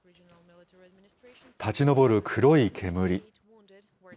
立ち上る黒い煙。